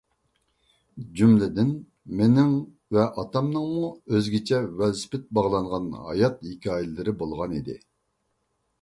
جۈملىدىن مېنىڭ ۋە ئاتامنىڭمۇ ئۆزگىچە ۋېلىسىپىت باغلانغان ھايات ھېكايىلىرى بولغان ئىدى.